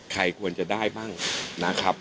ใครควรจะได้บ้างนะครับ